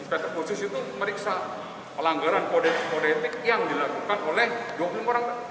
khusus itu meriksa pelanggaran kode etik yang dilakukan oleh dua puluh orang